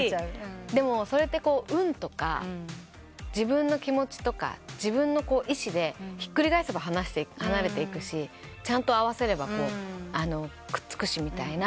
でもそれって運とか自分の気持ちとか自分の意思でひっくり返せば離れていくしちゃんと合わせればくっつくしみたいな。